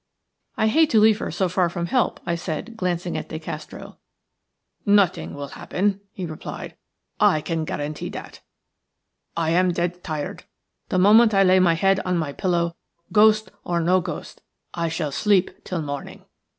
"I hate to leave her so far from help," I said, glancing at De Castro. "Nothing will happen," he replied. "I can guarantee that. I am dead tired; the moment I lay my head on my pillow, ghost or no ghost, I shall sleep till morning."